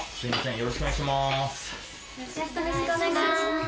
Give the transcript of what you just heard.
よろしくお願いします。